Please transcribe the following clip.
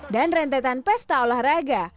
dan rentetan pesta olahraga